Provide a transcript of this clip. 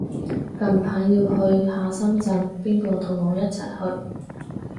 近排要去下深圳，邊個同我一齊去